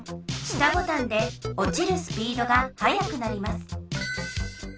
下ボタンでおちるスピードがはやくなります。